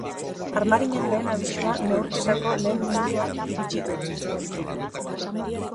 Armaginen lehen abisua neurketako lehen minutua iritsi da.